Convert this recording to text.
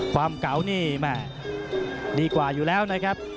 ความเก่านี่แม่ดีกว่าอยู่แล้วนะครับ